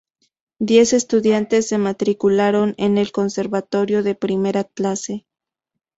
Diez estudiantes se matricularon en el conservatorio de primera clase.